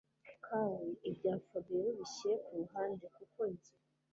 kawe ibya Fabiora ubishyire kuruhande kuko jye